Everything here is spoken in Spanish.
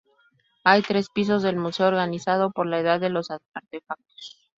Hay tres pisos del museo, organizado por la edad de los artefactos.